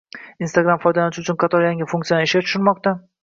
Instagram foydalanuvchilar uchun qator yangi funksiyalarni ishga tushirmoqda